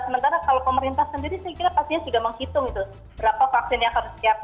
sementara kalau pemerintah sendiri saya kira pastinya juga menghitung itu berapa vaksin yang harus disiapkan